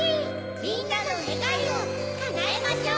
みんなのねがいをかなえましょう。